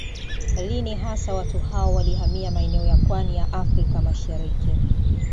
Lini hasa watu hao walihamia maeneo ya pwani ya Afrika ya Mashariki